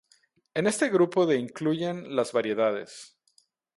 En este grupo de incluyen las variedades.